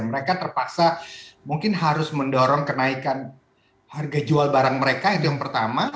mereka terpaksa mungkin harus mendorong kenaikan harga jual barang mereka itu yang pertama